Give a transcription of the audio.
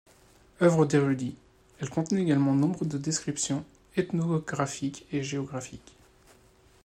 Œuvre d’érudit, elle contenait également nombre de descriptions ethnographiques et géographiques.